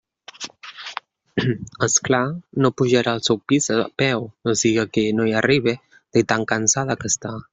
És clar, no pujarà al seu pis a peu, no siga que no hi arribe de tan cansada que està.